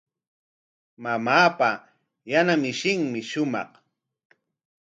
Mamaapa yana mishinmi shumaq.